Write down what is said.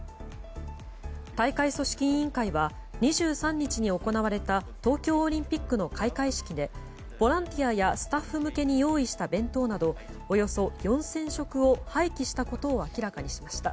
大会組織委員会は２３日に行われた東京オリンピックの開会式でボランティアやスタッフ向けに用意した弁当などおよそ４０００食を廃棄したことを明らかにしました。